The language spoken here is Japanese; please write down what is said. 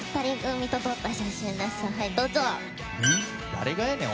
誰がやねん！